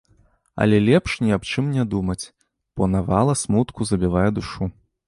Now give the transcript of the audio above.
Але лепш ні аб чым не думаць, бо навала смутку забівае душу.